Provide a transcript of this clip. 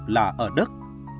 là ở đức